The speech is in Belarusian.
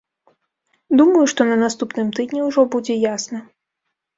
Думаю, што на наступным тыдні ўжо будзе ясна.